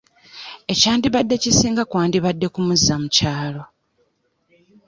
Ekyandibadde kisinga kwandibadde kumuzza mu kyalo.